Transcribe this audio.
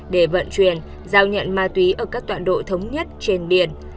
để vận chuyển giao nhận ma túy ở các toạn đội thống nhất trên biển